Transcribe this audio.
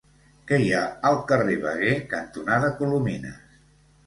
Què hi ha al carrer Veguer cantonada Colomines?